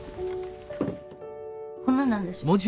こんななんですよ。